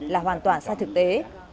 là hoàn toàn sai thực tế